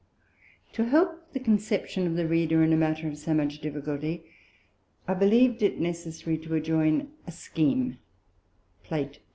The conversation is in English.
To help the Conception of the Reader in a manner of so much difficulty, I believ'd it necessary to adjoin a Scheme, (_Plate 2.